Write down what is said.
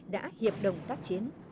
đã hiệp đồng tác chiến